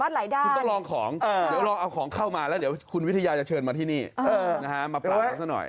คุณต้องลองของเดี๋ยวลองเอาของเข้ามาแล้วเดี๋ยวคุณวิทยาจะเชิญมาที่นี่มาปรับซะหน่อย